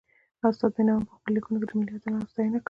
استاد بينوا په پخپلو ليکنو کي د ملي اتلانو ستاینه کړې ده.